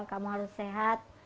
kamu harus sehat